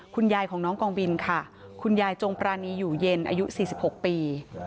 คุณยายของน้องกองบินค่ะคุณยายจงปรานีอยู่เย็นอายุ๔๖ปี